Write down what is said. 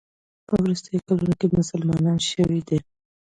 په وروستیو کلونو کې مسلمان شوی دی.